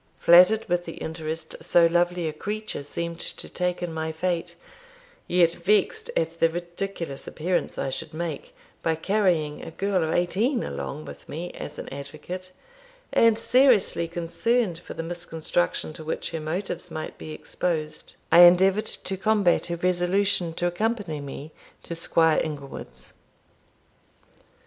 Flattered with the interest so lovely a creature seemed to take in my fate, yet vexed at the ridiculous appearance I should make, by carrying a girl of eighteen along with me as an advocate, and seriously concerned for the misconstruction to which her motives might be exposed, I endeavoured to combat her resolution to accompany me to Squire Inglewood's.